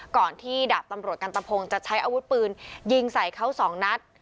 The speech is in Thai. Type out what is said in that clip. ก่อนที่ดาบตำรวจกันตะพงฮวดศรจะใช้อาวุธปืนยิงใส่เขา๒นัด